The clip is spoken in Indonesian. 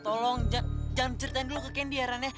tolong jangan ceritain dulu ke candy ya ren